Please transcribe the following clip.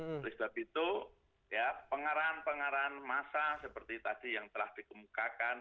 oleh sebab itu ya pengarahan pengarahan massa seperti tadi yang telah dikemukakan